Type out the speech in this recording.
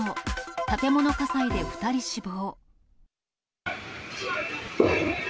建物火災で２人死亡。